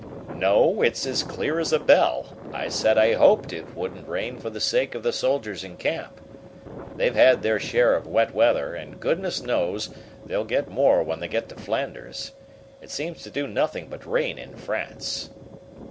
"No, it's as clear as a bell. I said I hoped it wouldn't rain for the sake of the soldiers in camp. They've had their share of wet weather, and, goodness knows, they'll get more when they get to Flanders. It seems to do nothing but rain in France."